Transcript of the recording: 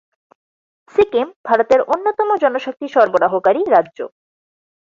সিকিম ভারতের অন্যতম জনশক্তি সরবরাহকারী রাজ্য।